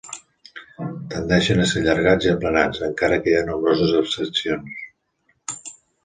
Tendeixen a ser allargats i aplanats, encara que hi ha nombroses excepcions.